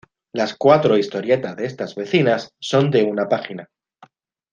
Las cuatro historietas de estas vecinas son de una página.